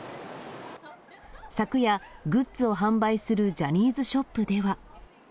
昨夜、グッズを販売するジャニーズショップでは。